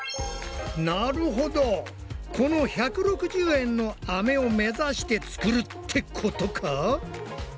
なるほどこの１６０円のアメを目指してつくるってことか？